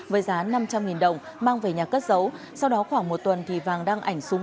với giá năm trăm linh đồng mang về nhà cất giấu sau đó khoảng một tuần thì vàng đăng ảnh súng